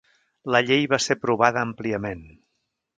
La llei va ser aprovada àmpliament.